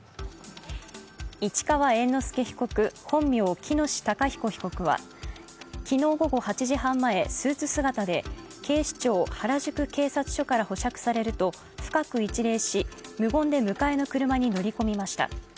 市川猿之助被告、本名、喜熨斗孝彦被告は昨日午後８時半前、スーツ姿で警視庁・原宿警察署から保釈されると深く一礼し、無言で迎えの車に乗り込みました。